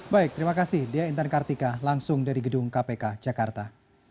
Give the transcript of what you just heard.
baik terima kasih dea intan kartika langsung dari gedung kpk jakarta